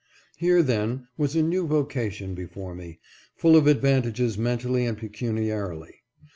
Here, then, was a new vocation before me, full of advan tages mentally and pecuniarily.